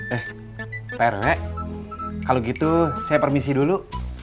eh pak rene kalau gitu saya permisi dulu